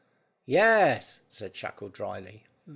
"Yes," said Shackle drily.